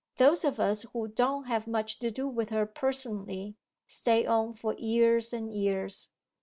Those of us who don't have much to do with her personally, stay on for years and years.